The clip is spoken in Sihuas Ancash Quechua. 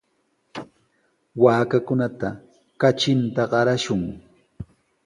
Waakakunata katrinta qarashun.